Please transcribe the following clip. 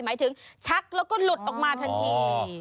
หมายถึงชักแล้วก็หลุดออกมาทันที